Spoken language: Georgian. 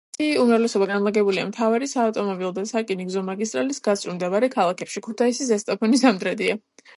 მათი უმრავლესობა განლაგებულია მთავარი საავტომობილო და სარკინიგზო მაგისტრალის გასწვრივ მდებარე ქალაქებში: ქუთაისი, ზესტაფონი, სამტრედია.